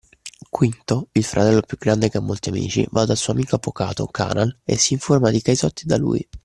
Quinto il fratello più grande che ha molti amici va dal suo amico avvocato Canal e si informa di Caisotti da lui.